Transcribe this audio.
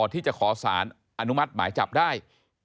ที่จะขอสารอนุมัติหมายจับได้